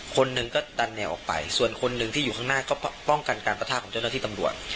คนหนึ่งก็ดันแนวออกไปส่วนคนหนึ่งที่อยู่ข้างหน้าก็ป้องกันการประทาของเจ้าหน้าที่ตำรวจ